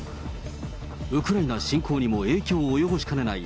ウクライナ侵攻にも影響を及ぼしかねない